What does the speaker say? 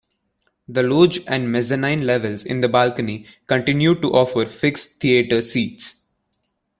The loge and mezzanine levels in the balcony continue to offer fixed theater seats.